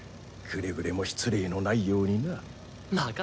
くれぐれも失礼のないようにな。